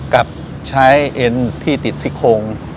กับใช้เอ็นที่ติดซิโคง